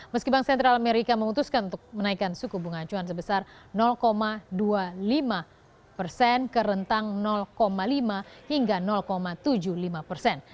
meski bank sentral amerika memutuskan untuk menaikkan suku bunga acuan sebesar dua puluh lima persen ke rentang lima hingga tujuh puluh lima persen